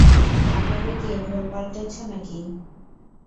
পার্লারে গিয়ে ভোল পালটেছ নাকি?